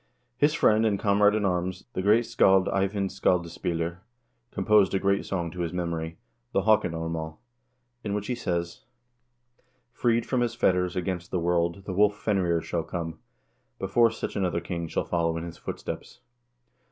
His friend and comrade in arms, the great scald Eyvind Skaldaspiller, composed a great song to his memory, the "Haakon armaal," in which he says : Freed from his fetters, against the world the wolf Fenrir shall come,1 before such another king shall follow in his footsteps.